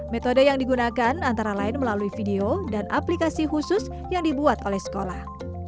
metode yang digunakan antara lain melalui video dan aplikasi khusus yang dibuat oleh sekolah